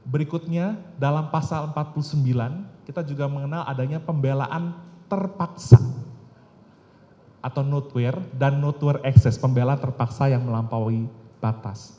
berikutnya dalam pasal empat puluh sembilan kita juga mengenal adanya pembelaan terpaksa atau nut wear dan nut wear excess pembelaan terpaksa yang melampaui batas